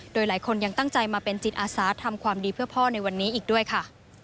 โดยหลายคนยังตั้งใจมาเป็นจิตอาสาทำความดีเพื่อพ่อในวันนี้อีกด้วยค่ะ